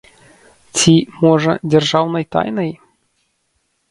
Ці, можа, дзяржаўнай тайнай?